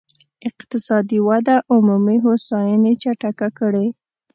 اقتصادي وده عمومي هوساينې چټکه کړي.